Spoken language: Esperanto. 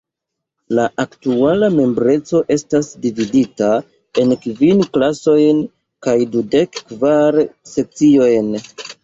La aktuala membreco estas dividita en kvin klasojn kaj dudek kvar sekciojn.